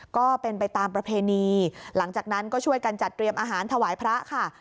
ก็เป็นไปตามประเพณีหลังจากนั้นก็ช่วยกันจัดเตรียมอาหารถวายพระค่ะ